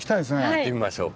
行ってみましょう。